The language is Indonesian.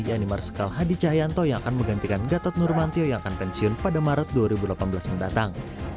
yaitu marsikal hadi cahyanto yang akan menggantikan gatot nurmantio yang akan pensiun pada maret dua ribu delapan belas mendatang